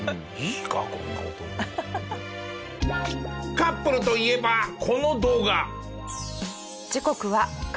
カップルといえばこの動画。